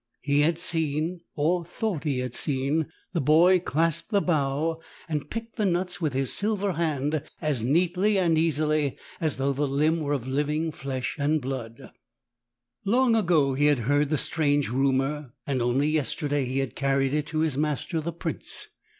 He had seen, or thought he had seen, the boy clasp the bough and pick the nuts with his silver hand as neatly and as easily as though the limb were of living flesh and blood! Long ago he had heard the strange rumour, and only yesterday he had carried it to his master the prince.